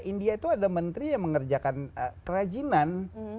india itu ada menteri yang mengerjakan kerajinan